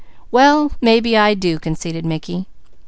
"Well maybe I do," conceded Mickey.